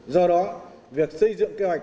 do đó việc xây dựng kế hoạch